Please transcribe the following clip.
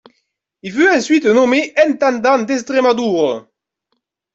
Il fut ensuite nommé Intendant d'Estrémadure.